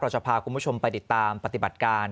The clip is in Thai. จะพาคุณผู้ชมไปติดตามปฏิบัติการ